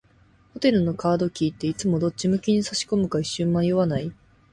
ホテルのカードキーって、いつもどっち向きに差し込むか一瞬迷わない？